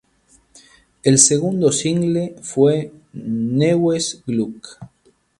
El segundo single fue "Neues Glück".